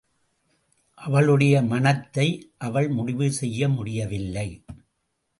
அவளுடைய மணத்தை அவள் முடிவு செய்ய முடியவில்லை.